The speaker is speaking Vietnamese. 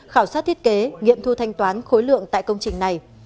khảo sát thiết kế nghiệm thu thanh toán khối lượng tại công trình này